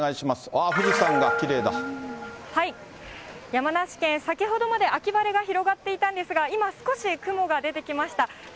わあ、山梨県、先ほどまで秋晴れが広がっていたんですが、今、少し雲が出てきました。